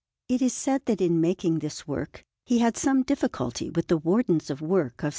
It is said that in making this work he had some difficulty with the Wardens of Works of S.